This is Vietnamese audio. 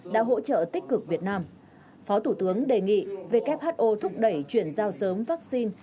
đã hỗ trợ tích cực việt nam phó thủ tướng đề nghị who thúc đẩy chuyển giao sớm vaccine